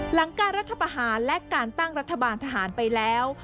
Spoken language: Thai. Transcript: หลังการรัฐประหารและการตั้งรัฐบาลทหารไปแล้ว